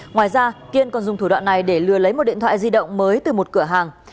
ngoài ra kiên còn dùng thủ đoạn này để lừa lấy một điện thoại di động mới từ một cửa hàng